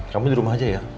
kamu di rumah aja ya